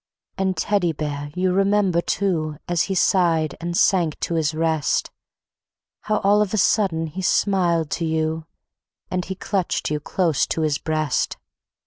And, Teddy Bear! you remember, too, As he sighed and sank to his rest, How all of a sudden he smiled to you, And he clutched you close to his breast.